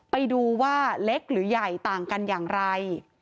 ไปดูว่าเล็กหรือใหญ่ต่างกันอย่างไร